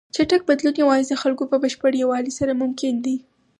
چټک بدلون یوازې د خلکو په بشپړ یووالي سره ممکن دی.